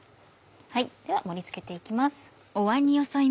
では盛り付けて行きます。